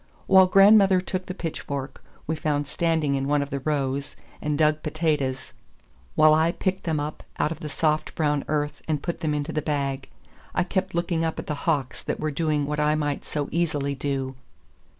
While grandmother took the pitchfork we found standing in one of the rows and dug potatoes, while I picked them up out of the soft brown earth and put them into the bag, I kept looking up at the hawks that were doing what I might so easily do.